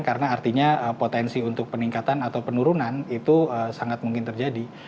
karena artinya potensi untuk peningkatan atau penurunan itu sangat mungkin terjadi